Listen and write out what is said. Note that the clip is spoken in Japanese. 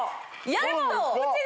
やっと。